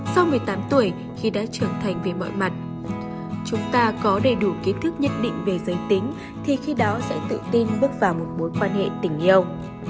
sau một mươi tám tuổi khi đã trưởng thành về mọi mặt chúng ta có đầy đủ kiến thức nhất định về giới tính thì khi đó sẽ tự tin bước vào một mối quan hệ tình yêu